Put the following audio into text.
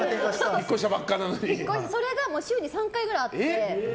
それが週に３回くらいあって。